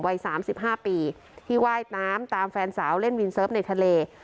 วัยสามสิบห้าปีที่ไหว้น้ำตามแฟนสาวเล่นวินเซิร์ฟในทะเล